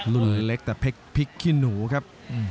รุ่นเล็กแต่พริกขี้หนูครับ